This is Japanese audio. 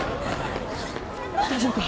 大丈夫か？